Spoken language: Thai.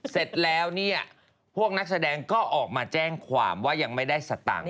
เสร็จแล้วเนี่ยพวกนักแสดงก็ออกมาแจ้งความว่ายังไม่ได้สตังค์